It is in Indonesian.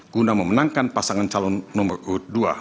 guna memenangkan pasangan calon nomor kedua